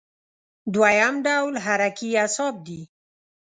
دویم ډول حرکي اعصاب دي.